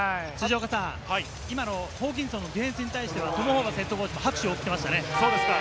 今のホーキンソンのディフェンスに対してはトム・ホーバスＨＣ、拍手を送っていましたね。